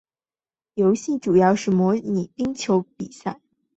游戏主要是模拟冰球比赛。